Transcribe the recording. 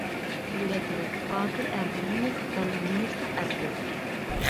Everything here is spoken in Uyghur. يۈرەكلىك، باتۇر ئەر دېگىنىمىز دەل نومۇسلۇق ئەردۇر.